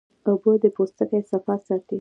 اوبه د پوستکي صفا ساتي